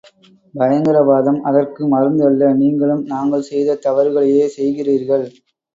பயங்கரவாதம் அதற்கு மருந்து அல்ல நீங்களும் நாங்கள் செய்த தவறுகளையே செய்கிறீர்கள்.